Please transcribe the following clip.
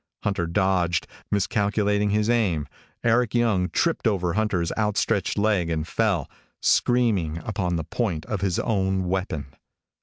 Hunter dodged. Miscalculating his aim, Eric Young tripped over Hunter's outstretched leg and fell, screaming, upon the point of his own weapon.